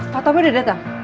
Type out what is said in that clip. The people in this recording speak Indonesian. pak tom udah datang